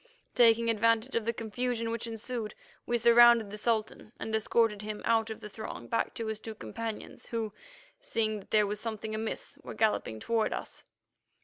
Taking advantage of the confusion which ensued, we surrounded the Sultan and escorted him out of the throng back to his two companions, who, seeing that there was something amiss, were galloping toward us.